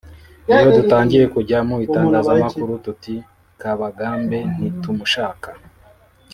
Iyo dutangiye kujya mu itangazamakuru tuti ’Kabagambe ntitumushaka